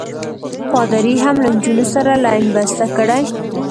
پادري هم له نجونو سره لین بسته کړی.